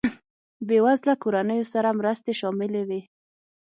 بېوزله کورنیو سره مرستې شاملې وې.